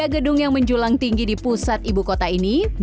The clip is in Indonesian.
tiga gedung yang menjulang tinggi di pusat ibu kota ini